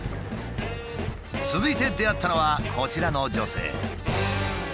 続いて出会ったのはこちらの女性。